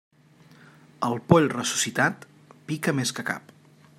El poll ressuscitat pica més que cap.